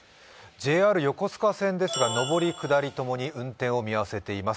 ＪＲ横須賀線、上り下り共に現在運転を見合わせています。